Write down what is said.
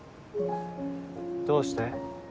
どうして？